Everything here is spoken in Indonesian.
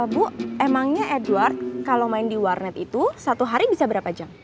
bu emangnya edward kalau main di warnet itu satu hari bisa berapa jam